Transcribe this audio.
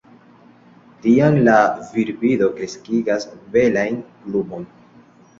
Tiam la virbirdo kreskigas belajn plumojn.